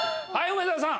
梅沢さん。